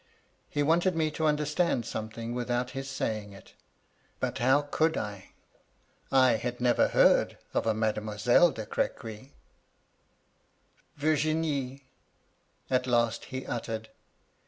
He wanted me to understand something without his saying it ; but how could I ? I had never heard of a Mademoiselle de Crequy. MY LADY LUDLOW. 113 "* Virginie !' at last he uttered.